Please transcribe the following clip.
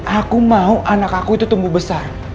aku mau anak aku itu tumbuh besar